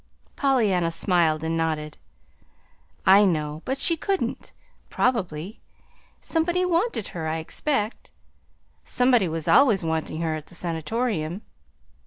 Pollyanna smiled and nodded. "I know; but she couldn't, probably. Somebody wanted her, I expect. Somebody was always wanting her at the Sanatorium.